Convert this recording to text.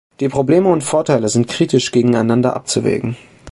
Die Probleme und Vorteile sind kritisch gegeneinander abzuwägen.